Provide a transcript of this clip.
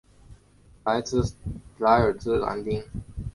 莱尔兹兰丁是位于美国加利福尼亚州马林县的一个非建制地区。